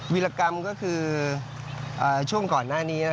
วิรกรรมก็คือช่วงก่อนหน้านี้